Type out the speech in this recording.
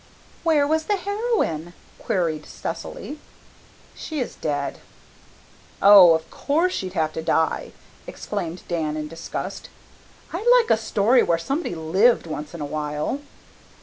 "Where was the heroine?" queried Cecily. "She is dead." "Oh, of course she'd have to die," exclaimed Dan in disgust. "I'd like a story where somebody lived once in awhile."